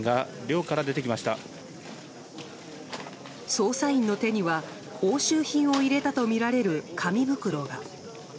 捜査員の手には押収品を入れたとみられる紙袋が。